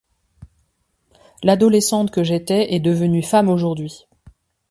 L'adolescente que j'étais est devenue femme aujourd'hui.